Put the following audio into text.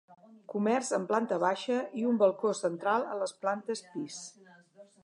Comerç en planta baixa i un balcó central a les plantes pis.